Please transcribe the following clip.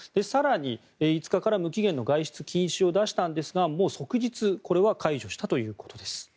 更に５日から無期限の外出禁止を出したんですがこれは即日解除したということです。